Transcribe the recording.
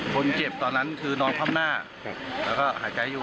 คนเจ็บตอนนั้นคือนอนพร้อมหน้าแล้วก็หายใจอยู่